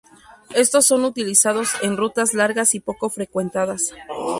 Estos son utilizados en rutas largas y poco frecuentadas.